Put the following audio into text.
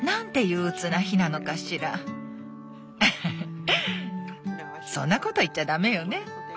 フフッそんなこと言っちゃ駄目よね。